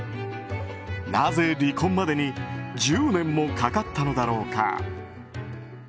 なぜ離婚までに１０年もかかったのだろうか。